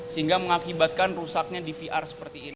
sehingga mengakibatkan rusaknya di vr seperti ini